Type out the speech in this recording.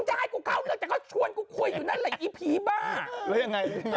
จะให้กูเข้าเลือกแต่ก็ชวนกูคุยอยู่นั่นแหละอีผีบ้า